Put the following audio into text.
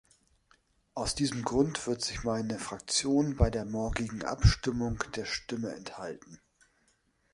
Aus diesem Grund wird sich meine Fraktion bei der morgigen Abstimmung der Stimme enthalten.